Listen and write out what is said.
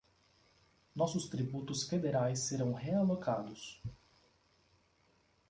Nossos tributos federais serão realocados